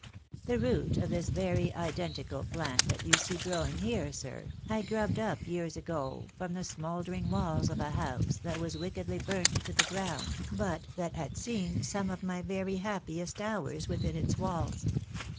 The root of this very 'dentical plant that you see growing here, sir, I grubbed up years ago from the smouldering walls of a house that was wickedly burnt to the ground, but that had seen some of my very happiest hours within its walls.